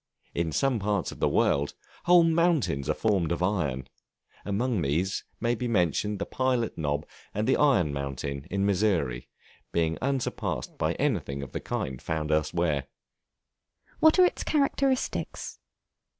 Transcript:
In some parts of the world, whole mountains are formed of iron; among these may be mentioned the Pilot Knob and the Iron Mountain, in Missouri, being unsurpassed by anything of the kind found elsewhere. What are its characteristics?